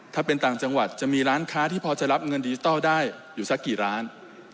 ถ้าเป็นต่างจังหวัดจะมีร้านค้าที่พอจะรับเงินดิจิทัลได้อยู่สักกี่ร้าน